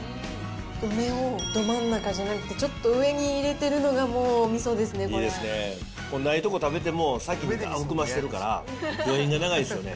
梅をど真ん中じゃなくて、ちょっと上に入れているのが、もう、いいですね、ないとこ食べても、さっき、がーっと含ませてるから、余韻が長いですよね。